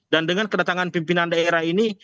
dan dengan kedatangan pimpinan daerah ini